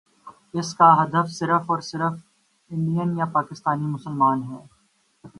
اس کا ہدف صرف اور صرف انڈین یا پاکستانی مسلمان ہیں۔